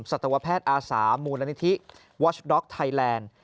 สัตวแพทย์อาสามูลนิธิวอชด็อกไทยแลนด์